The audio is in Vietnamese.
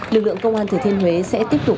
lực lượng công an thế thuế sẽ tiếp tục